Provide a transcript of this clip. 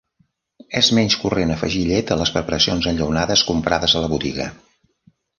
És menys corrent afegir llet a les preparacions enllaunades comprades a la botiga.